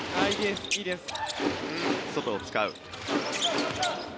外を使う。